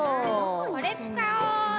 これつかおう。